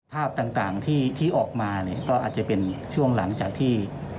ภาพต่างที่ออกมาเนี่ยก็อาจจะเป็นช่วงหลังจากที่